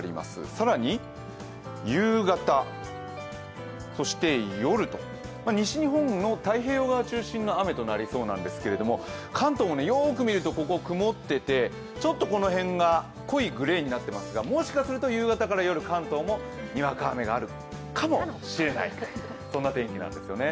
更に夕方、そして夜と、西日本の太平洋側中心の雨となりそうなんですけれども、関東もよく見ると曇っていて、ちょっとこの辺が濃いグレーになっていますがもしかすると夕方から夜、関東もにわか雨があるかもという天気なんですよね。